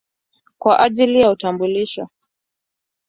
kwa ajili ya utambulisho.